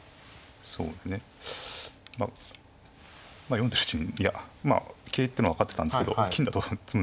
そうですねまあ読んでるうちにいやまあ桂ってのは分かってたんですけど金だと詰むんだなと。